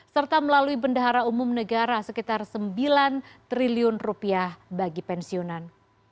serta melalui bendahara umum negara sekitar rp sembilan triliun rupiah bagi pensiunan